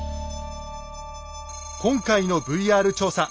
今回のＶＲ調査。